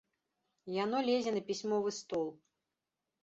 Яно лезе на пісьмовы стол.